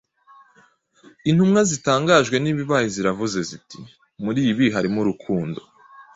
Intumwa zitangajwe n’ibibaye zaravuze ziti: “Muri ibi harimo urukundo.”